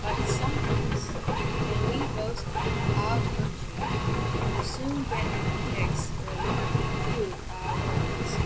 But sometimes when we boast of our virtues we soon get in a fix where we have to prove our words.